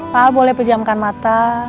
pak al boleh pejamkan mata